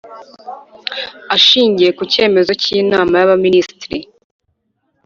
Ashingiye ku cyemezo cy Inama y Abaminisitiri